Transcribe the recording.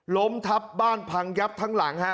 ล้มทับบ้านพังยับทั้งหลังฮะ